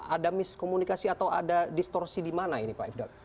ada miskomunikasi atau ada distorsi di mana ini pak ifdal